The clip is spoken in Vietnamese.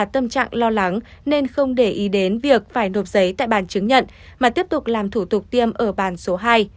tâm trạng lo lắng nên không để ý đến việc phải nộp giấy tại bàn chứng nhận mà tiếp tục làm thủ tục tiêm ở bàn số hai